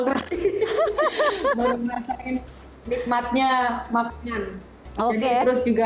berasik baru merasakan nikmatnya makanan oke terus juga